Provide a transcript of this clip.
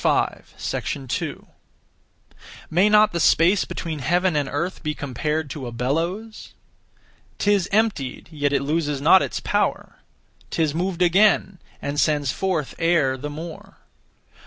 May not the space between heaven and earth be compared to a bellows? 'Tis emptied, yet it loses not its power; 'Tis moved again, and sends forth air the more.